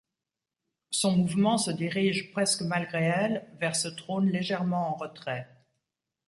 Son mouvement se dirige, presque malgré elle, vers ce trône légèrement en retrait.